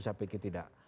saya pikir tidak